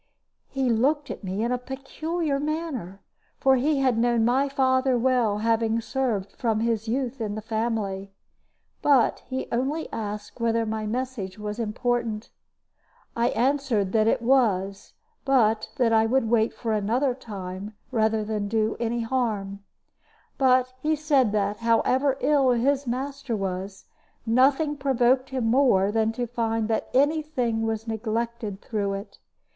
He looked at me in a peculiar manner, for he had known my father well, having served from his youth in the family; but he only asked whether my message was important. I answered that it was, but that I would wait for another time rather than do any harm. But he said that, however ill his master was, nothing provoked him more than to find that any thing was neglected through it.